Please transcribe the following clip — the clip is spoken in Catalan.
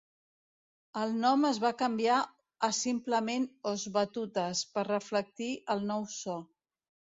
El nom es va canviar a simplement Os Batutas per reflectir el nou so.